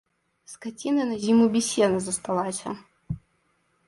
Скаціна на зіму без сена засталася.